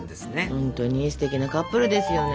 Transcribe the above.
ほんとにすてきなカップルですよね。